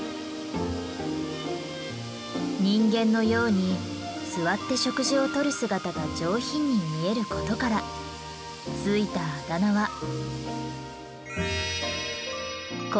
人間のように座って食事をとる姿が上品に見えることからついたあだ名は。